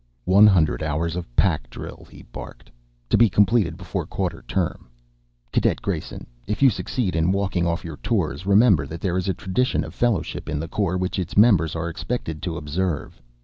"One hundred hours of pack drill," he barked, "to be completed before quarter term. Cadet Grayson, if you succeed in walking off your tours, remember that there is a tradition of fellowship in the Corps which its members are expected to observe.